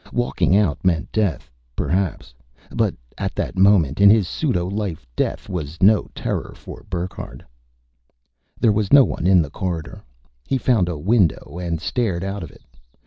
Walking out meant death, perhaps but at that moment in his pseudo life, death was no terror for Burckhardt. There was no one in the corridor. He found a window and stared out of it.